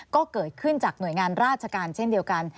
ก็เกิดขึ้นจากหน่วยงานราชการเช่นเดียวกัน